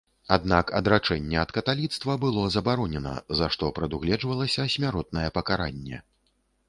Аднак адрачэнне ад каталіцтва было забаронена, за што прадугледжвалася смяротнае пакаранне.